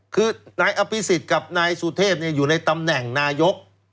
คือนายอภิษฎกับนายสุเทพอยู่ในตำแหน่งนายก